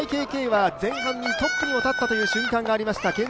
ＹＫＫは前半にトップにも立った瞬間がありました。